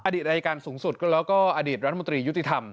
รายการสูงสุดแล้วก็อดีตรัฐมนตรียุติธรรม